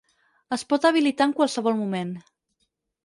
Es pot habilitar en qualsevol moment.